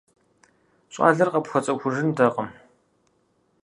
Щӏалэр къыпхуэцӀыхужынтэкъым.